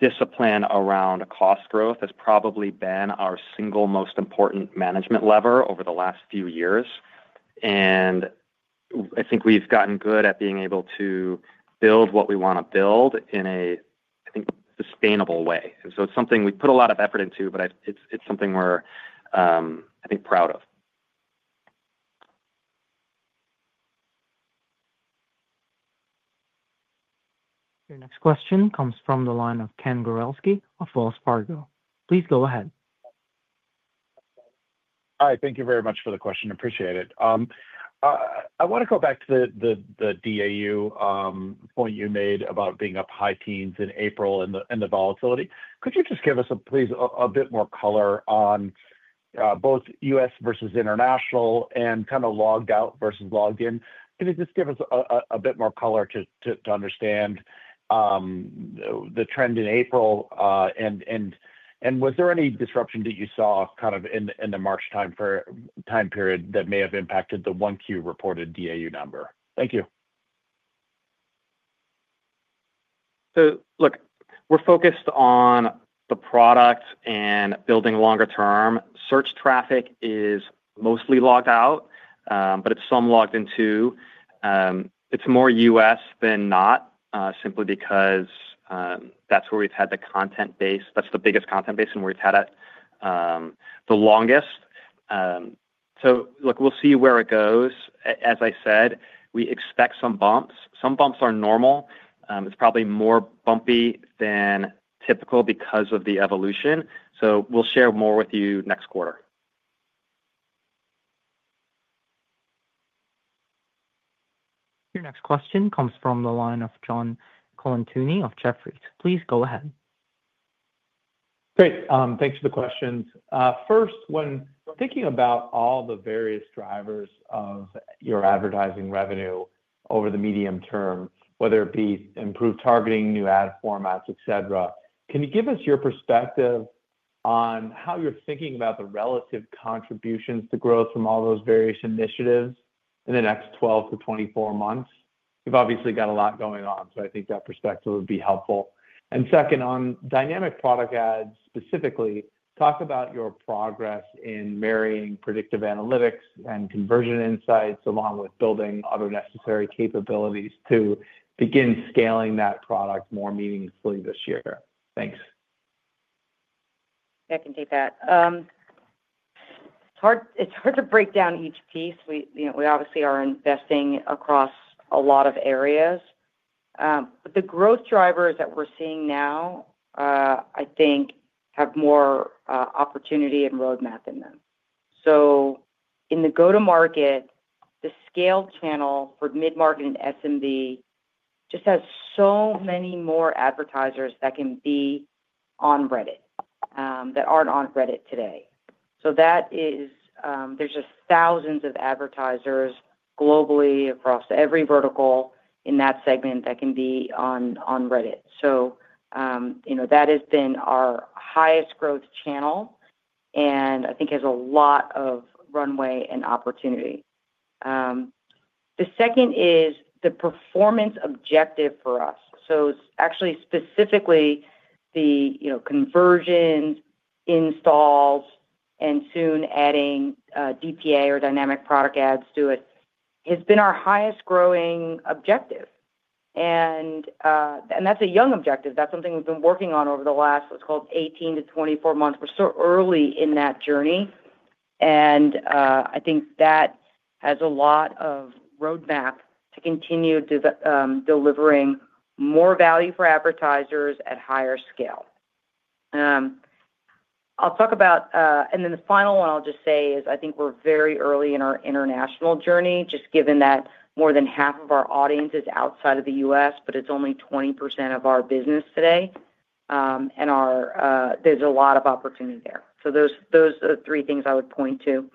Speaker 3: discipline around cost growth has probably been our single most important management lever over the last few years. I think we've gotten good at being able to build what we want to build in a, I think, sustainable way. It is something we put a lot of effort into, but it's something we're, I think, proud of.
Speaker 1: Your next question comes from the line of Ken Gawrelski of Wells Fargo. Please go ahead.
Speaker 10: Hi. Thank you very much for the question. Appreciate it. I want to go back to the DAU point you made about being up high teens in April and the volatility. Could you just give us, please, a bit more color on both U.S. versus international and kind of logged out versus logged in? Can you just give us a bit more color to understand the trend in April? Was there any disruption that you saw kind of in the March time period that may have impacted the Q1 reported DAU number? Thank you.
Speaker 3: Look, we're focused on the product and building longer-term. Search traffic is mostly logged out, but it's some logged in too. It's more U.S. than not simply because that's where we've had the content base. That's the biggest content base and where we've had it the longest. Look, we'll see where it goes. As I said, we expect some bumps. Some bumps are normal. It's probably more bumpy than typical because of the evolution. We'll share more with you next quarter.
Speaker 1: Your next question comes from the line of John Colantuoni of Jefferies. Please go ahead.
Speaker 11: Great. Thanks for the questions. First, when thinking about all the various drivers of your advertising revenue over the medium term, whether it be improved targeting, new ad formats, etc., can you give us your perspective on how you're thinking about the relative contributions to growth from all those various initiatives in the next 12 to 24 months? You have obviously got a lot going on, so I think that perspective would be helpful. Second, on Dynamic Product Ads specifically, talk about your progress in marrying predictive analytics and conversion insights along with building other necessary capabilities to begin scaling that product more meaningfully this year. Thanks.
Speaker 4: I can take that. It's hard to break down each piece. We obviously are investing across a lot of areas. The growth drivers that we're seeing now, I think, have more opportunity and roadmap in them. In the go-to-market, the scale channel for mid-market and SMB just has so many more advertisers that can be on Reddit that aren't on Reddit today. There are just thousands of advertisers globally across every vertical in that segment that can be on Reddit. That has been our highest growth channel, and I think has a lot of runway and opportunity. The second is the performance objective for us. It's actually specifically the conversions, installs, and soon adding DPA or Dynamic Product Ads to it has been our highest growing objective. That's a young objective. That's something we've been working on over the last, what's called, 18 to 24 months. We're so early in that journey. I think that has a lot of roadmap to continue delivering more value for advertisers at higher scale. I'll talk about, and then the final one I'll just say is I think we're very early in our international journey, just given that more than half of our audience is outside of the U.S., but it's only 20% of our business today. There's a lot of opportunity there. Those are three things I would point to.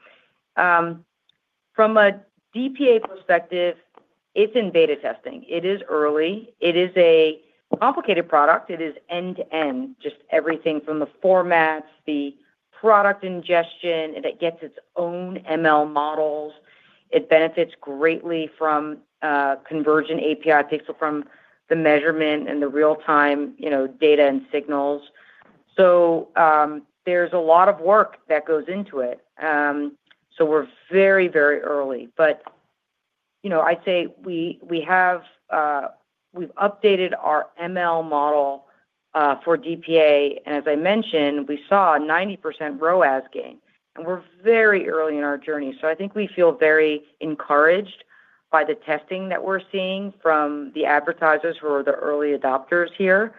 Speaker 4: From a DPA perspective, it's in beta testing. It is early. It is a complicated product. It is end-to-end, just everything from the formats, the product ingestion that gets its own ML models. It benefits greatly from Conversion API, Pixel from the measurement and the real-time data and signals. There is a lot of work that goes into it. We are very, very early. I would say we have updated our ML model for DPA. As I mentioned, we saw a 90% ROAS gain. We are very early in our journey. I think we feel very encouraged by the testing that we are seeing from the advertisers who are the early adopters here.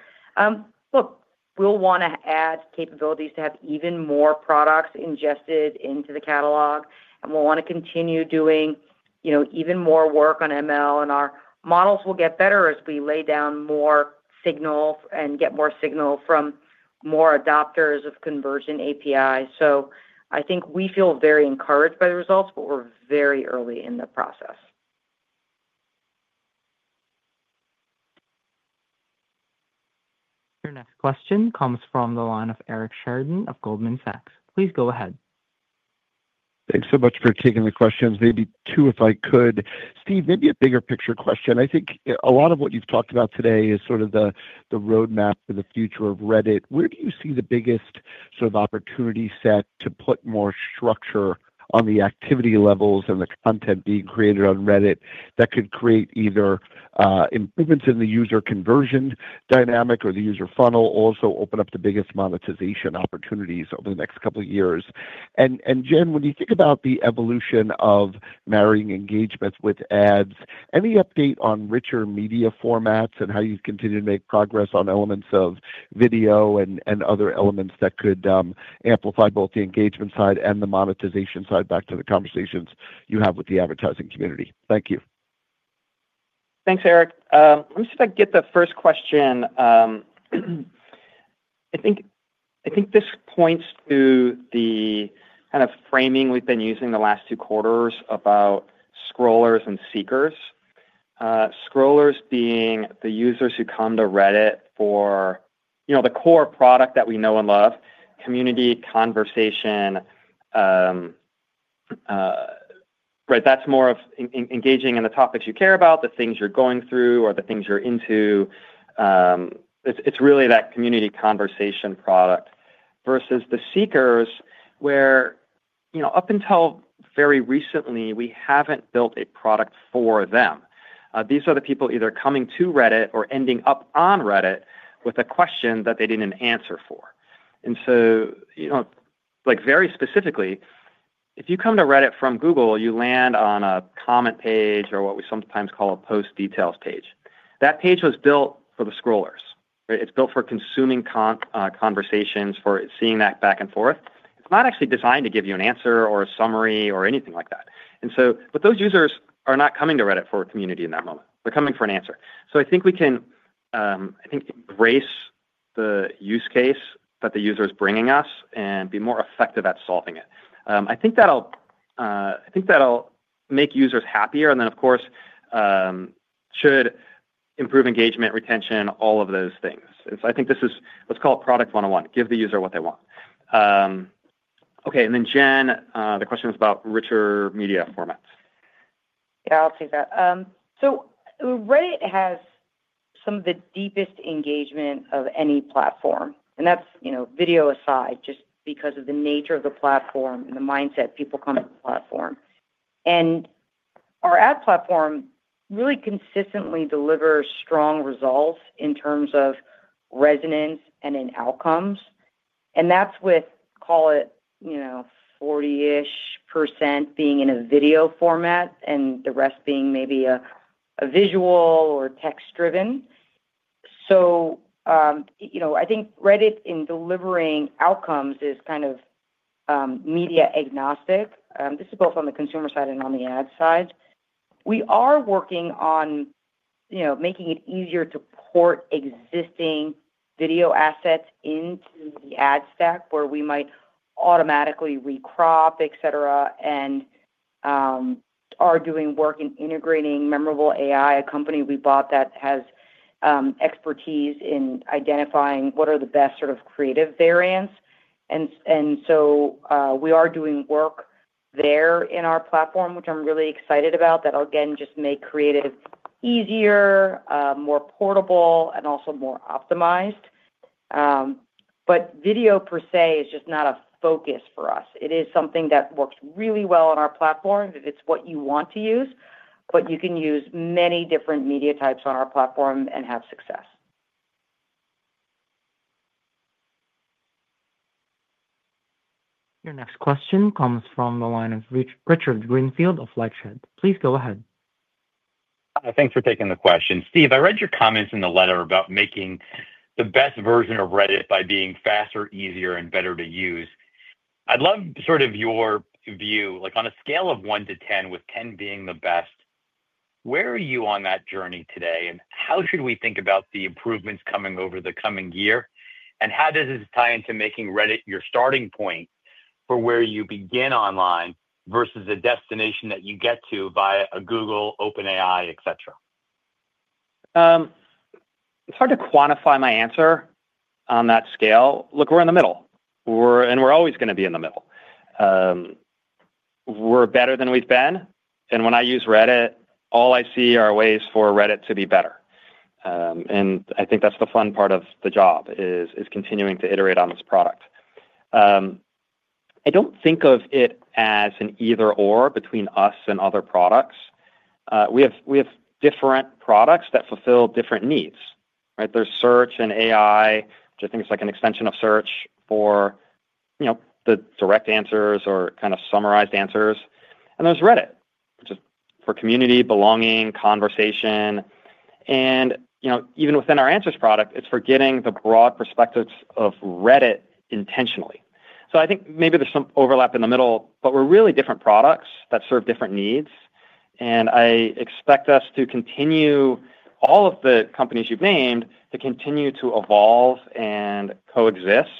Speaker 4: Look, we will want to add capabilities to have even more products ingested into the catalog. We will want to continue doing even more work on ML. Our models will get better as we lay down more signal and get more signal from more adopters of Conversion API. I think we feel very encouraged by the results, but we are very early in the process.
Speaker 1: Your next question comes from the line of Eric Sheridan of Goldman Sachs. Please go ahead.
Speaker 12: Thanks so much for taking the questions. Maybe two, if I could. Steve, maybe a bigger picture question. I think a lot of what you've talked about today is sort of the roadmap for the future of Reddit. Where do you see the biggest sort of opportunity set to put more structure on the activity levels and the content being created on Reddit that could create either improvements in the user conversion dynamic or the user funnel, also open up the biggest monetization opportunities over the next couple of years? Jen, when you think about the evolution of marrying engagements with ads, any update on richer media formats and how you continue to make progress on elements of video and other elements that could amplify both the engagement side and the monetization side back to the conversations you have with the advertising community? Thank you.
Speaker 3: Thanks, Eric. Let me see if I get the first question. I think this points to the kind of framing we've been using the last two quarters about scrollers and seekers. Scrollers being the users who come to Reddit for the core product that we know and love, community conversation. Right? That's more of engaging in the topics you care about, the things you're going through, or the things you're into. It's really that community conversation product versus the seekers where, up until very recently, we haven't built a product for them. These are the people either coming to Reddit or ending up on Reddit with a question that they didn't answer for. Very specifically, if you come to Reddit from Google, you land on a comment page or what we sometimes call a post details page. That page was built for the scrollers. It's built for consuming conversations, for seeing that back and forth. It's not actually designed to give you an answer or a summary or anything like that. Those users are not coming to Reddit for a community in that moment. They're coming for an answer. I think we can embrace the use case that the user is bringing us and be more effective at solving it. I think that'll make users happier. Of course, should improve engagement, retention, all of those things. I think this is, let's call it product 101. Give the user what they want. Okay. Jen, the question is about richer media formats.
Speaker 4: Yeah, I'll take that. Reddit has some of the deepest engagement of any platform. That is video aside, just because of the nature of the platform and the mindset people come to the platform. Our ad platform really consistently delivers strong results in terms of resonance and in outcomes. That is with, call it, 40% being in a video format and the rest being maybe a visual or text-driven. I think Reddit in delivering outcomes is kind of media agnostic. This is both on the consumer side and on the ad side. We are working on making it easier to port existing video assets into the ad stack where we might automatically recrop, etc., and are doing work in integrating Memorable AI, a company we bought that has expertise in identifying what are the best sort of creative variants. We are doing work there in our platform, which I'm really excited about, that'll, again, just make creative easier, more portable, and also more optimized. Video per se is just not a focus for us. It is something that works really well on our platform. It's what you want to use, but you can use many different media types on our platform and have success.
Speaker 1: Your next question comes from the line of Richard Greenfield of LightShed. Please go ahead.
Speaker 13: Hi. Thanks for taking the question. Steve, I read your comments in the letter about making the best version of Reddit by being faster, easier, and better to use. I'd love sort of your view. On a scale of 1 to 10, with 10 being the best, where are you on that journey today? How should we think about the improvements coming over the coming year? How does this tie into making Reddit your starting point for where you begin online versus a destination that you get to via Google, OpenAI, etc.?
Speaker 3: It's hard to quantify my answer on that scale. Look, we're in the middle. And we're always going to be in the middle. We're better than we've been. And when I use Reddit, all I see are ways for Reddit to be better. I think that's the fun part of the job is continuing to iterate on this product. I don't think of it as an either/or between us and other products. We have different products that fulfill different needs. There's search and AI, which I think is like an extension of search for the direct answers or kind of summarized answers. There's Reddit, which is for community, belonging, conversation. Even within our answers product, it's for getting the broad perspectives of Reddit intentionally. I think maybe there's some overlap in the middle, but we're really different products that serve different needs. I expect us to continue all of the companies you've named to continue to evolve and coexist.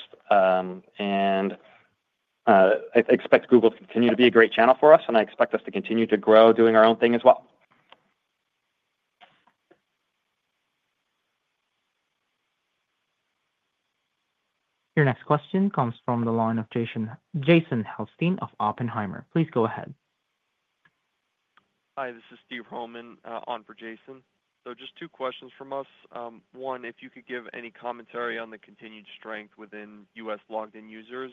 Speaker 3: I expect Google to continue to be a great channel for us. I expect us to continue to grow doing our own thing as well.
Speaker 1: Your next question comes from the line of Jason Helfstein of Oppenheimer. Please go ahead.
Speaker 14: Hi. This is Steve Hromin on for Jason. Just two questions from us. One, if you could give any commentary on the continued strength within U.S. logged-in users.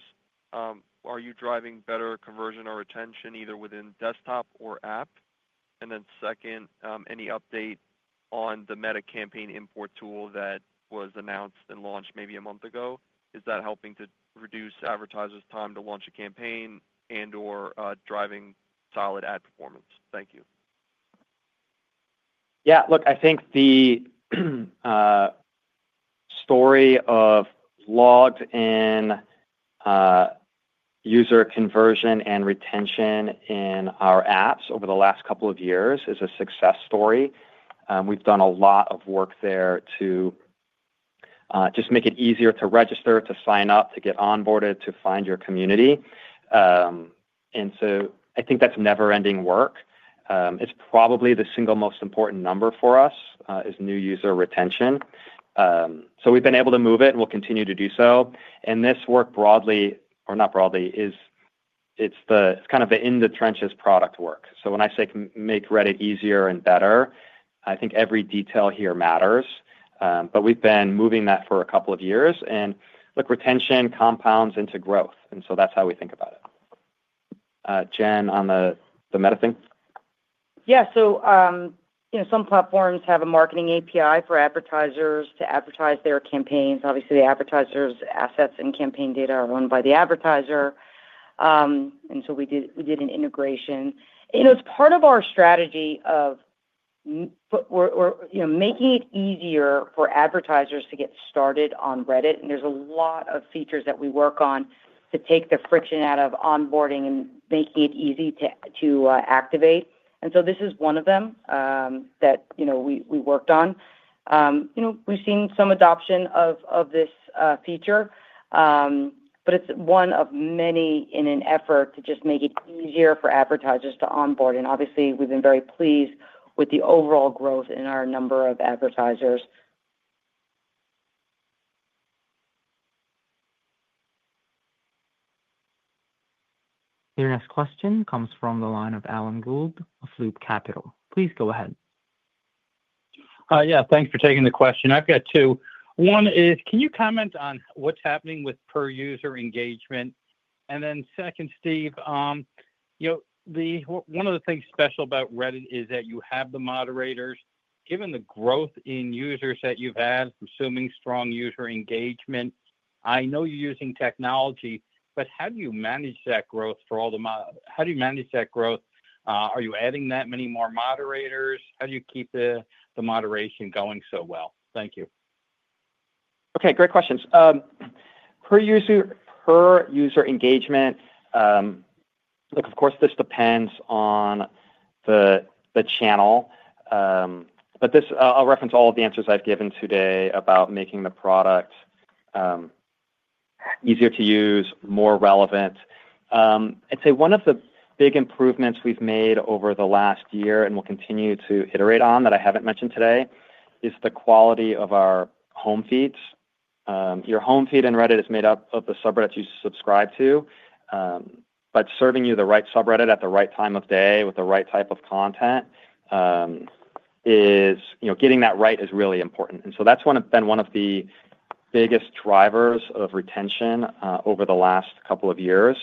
Speaker 14: Are you driving better conversion or retention either within desktop or app? Second, any update on the Meta campaign import tool that was announced and launched maybe a month ago? Is that helping to reduce advertisers' time to launch a campaign and/or driving solid ad performance? Thank you.
Speaker 3: Yeah. Look, I think the story of logged-in user conversion and retention in our apps over the last couple of years is a success story. We've done a lot of work there to just make it easier to register, to sign up, to get onboarded, to find your community. I think that's never-ending work. It's probably the single most important number for us is new user retention. We've been able to move it and we'll continue to do so. This work broadly, or not broadly, it's kind of the in-the-trenches product work. When I say make Reddit easier and better, I think every detail here matters. We've been moving that for a couple of years. Look, retention compounds into growth. That's how we think about it. Jen, on the Meta thing?
Speaker 4: Yeah. Some platforms have a marketing API for advertisers to advertise their campaigns. Obviously, the advertisers' assets and campaign data are owned by the advertiser. We did an integration. It is part of our strategy of making it easier for advertisers to get started on Reddit. There are a lot of features that we work on to take the friction out of onboarding and making it easy to activate. This is one of them that we worked on. We've seen some adoption of this feature, but it is one of many in an effort to just make it easier for advertisers to onboard. Obviously, we've been very pleased with the overall growth in our number of advertisers.
Speaker 1: Your next question comes from the line of Alan Gould of Loop Capital. Please go ahead.
Speaker 15: Yeah. Thanks for taking the question. I've got two. One is, can you comment on what's happening with per-user engagement? Then second, Steve, one of the things special about Reddit is that you have the moderators. Given the growth in users that you've had, assuming strong user engagement, I know you're using technology, but how do you manage that growth for all the moderators? How do you manage that growth? Are you adding that many more moderators? How do you keep the moderation going so well? Thank you.
Speaker 3: Okay. Great questions. Per user engagement, look, of course, this depends on the channel. I'll reference all of the answers I've given today about making the product easier to use, more relevant. I'd say one of the big improvements we've made over the last year and will continue to iterate on that I haven't mentioned today is the quality of our home feeds. Your home feed in Reddit is made up of the subreddits you subscribe to. Serving you the right subreddit at the right time of day with the right type of content, getting that right is really important. That's been one of the biggest drivers of retention over the last couple of years.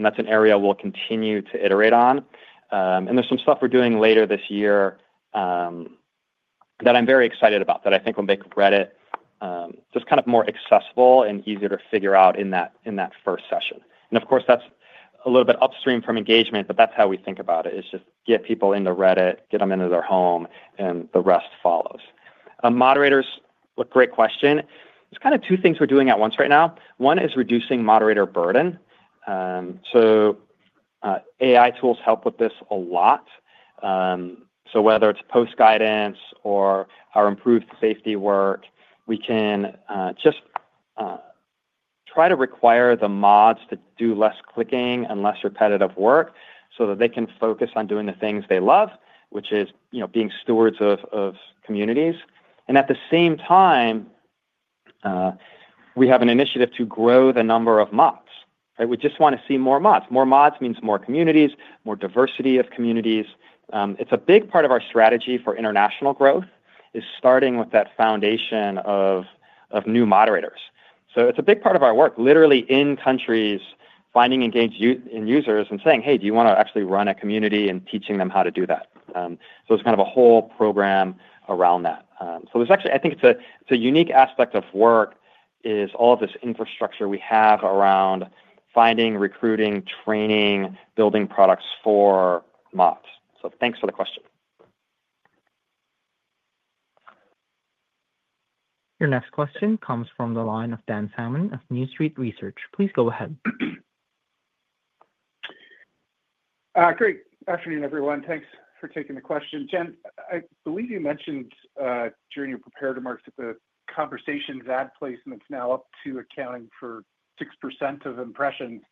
Speaker 3: That's an area we'll continue to iterate on. There is some stuff we're doing later this year that I'm very excited about that I think will make Reddit just kind of more accessible and easier to figure out in that first session. Of course, that's a little bit upstream from engagement, but that's how we think about it. It's just get people into Reddit, get them into their home, and the rest follows. Moderators, great question. There are kind of two things we're doing at once right now. One is reducing moderator burden. AI tools help with this a lot. Whether it's post guidance or our improved safety work, we can just try to require the mods to do less clicking and less repetitive work so that they can focus on doing the things they love, which is being stewards of communities. At the same time, we have an initiative to grow the number of mods. We just want to see more mods. More mods means more communities, more diversity of communities. It's a big part of our strategy for international growth is starting with that foundation of new moderators. It's a big part of our work, literally in countries, finding engaged users and saying, "Hey, do you want to actually run a community and teaching them how to do that?" It's kind of a whole program around that. I think it's a unique aspect of work is all of this infrastructure we have around finding, recruiting, training, building products for mods. Thanks for the question.
Speaker 1: Your next question comes from the line of Dan Salmon of New Street Research. Please go ahead.
Speaker 16: Great. Afternoon, everyone. Thanks for taking the question. Jen, I believe you mentioned during your preparatory marks that the conversations ad placements now up to accounting for 6% of impressions.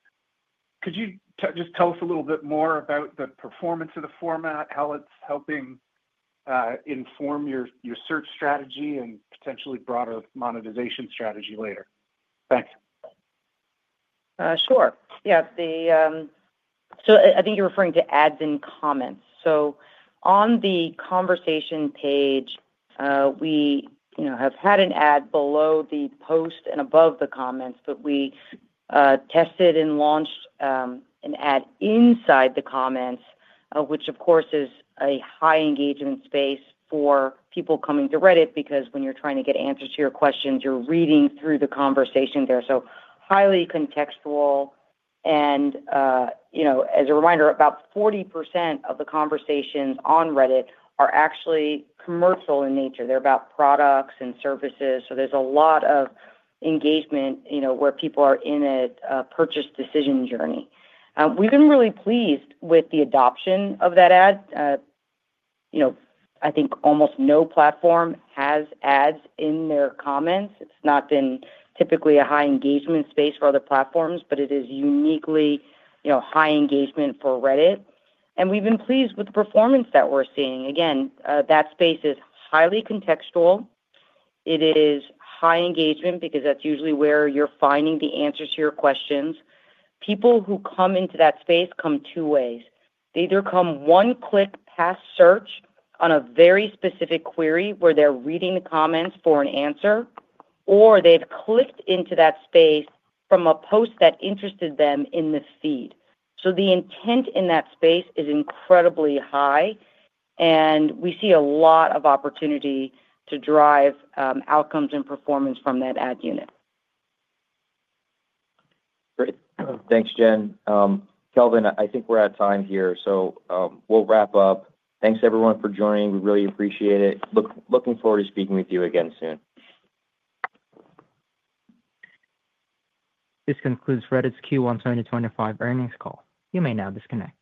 Speaker 16: Could you just tell us a little bit more about the performance of the format, how it's helping inform your search strategy and potentially broader monetization strategy later? Thanks.
Speaker 4: Sure. Yeah. I think you're referring to ads and comments. On the conversation page, we have had an ad below the post and above the comments, but we tested and launched an ad inside the comments, which, of course, is a high engagement space for people coming to Reddit because when you're trying to get answers to your questions, you're reading through the conversation there. Highly contextual. As a reminder, about 40% of the conversations on Reddit are actually commercial in nature. They're about products and services. There's a lot of engagement where people are in a purchase decision journey. We've been really pleased with the adoption of that ad. I think almost no platform has ads in their comments. It's not been typically a high engagement space for other platforms, but it is uniquely high engagement for Reddit. We have been pleased with the performance that we are seeing. That space is highly contextual. It is high engagement because that is usually where you are finding the answers to your questions. People who come into that space come two ways. They either come one click past search on a very specific query where they are reading the comments for an answer, or they have clicked into that space from a post that interested them in the feed. The intent in that space is incredibly high. We see a lot of opportunity to drive outcomes and performance from that ad unit.
Speaker 2: Great. Thanks, Jen. Kelvin, I think we're at time here. So we'll wrap up. Thanks, everyone, for joining. We really appreciate it. Looking forward to speaking with you again soon.
Speaker 1: This concludes Reddit's Q1 2025 earnings call. You may now disconnect.